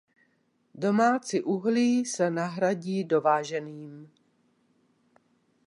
Domácí uhlí se nahradí dováženým.